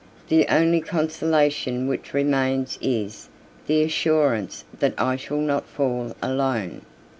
The only consolation which remains is the assurance that I shall not fall alone."